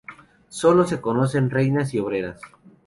Sólo se conocen reinas y obreras.